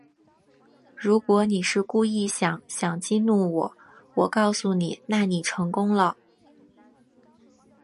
如果你是故意想想激怒我，我告诉你，那你成功了